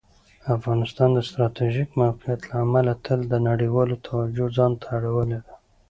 افغانستان د ستراتیژیک موقعیت له امله تل د نړیوالو توجه ځان ته اړولي ده.